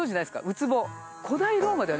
ウツボ。